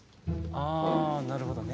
ああなるほどね。